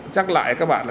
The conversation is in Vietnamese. chắc lại các bạn